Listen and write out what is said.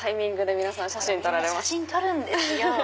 みんな写真撮るんですよ。